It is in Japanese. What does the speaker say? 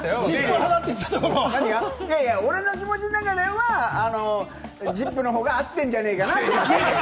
派だ俺の気持ちの中では、『ＺＩＰ！』の方が合ってるんじゃないかなって。